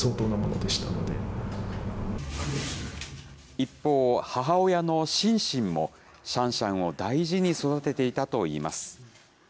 一方、母親のシンシンも、シャンシャンを大事に育てていたといいます。